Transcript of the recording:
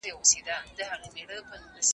هغه متن چې ګرامري ندی، باید اصلاح شي.